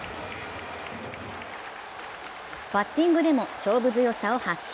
バッティングでも勝負強さを発揮。